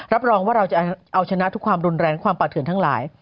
รับรองว่าเราจะเอาชนะทุกความรุนแรงความป่าเถื่อนทั้งหลาย